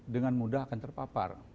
dengan mudah akan terpapar